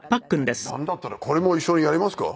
なんだったらこれも一緒にやりますか？